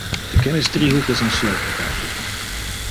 De kennisdriehoek is een sleutel daartoe.